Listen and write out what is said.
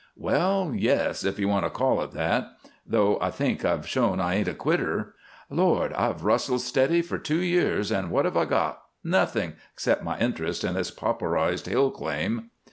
"Well, yes, if you want to call it that, though I think I've shown I ain't a quitter. Lord! I've rustled steady for two years, and what have I got? Nothing except my interest in this pauperized hill claim."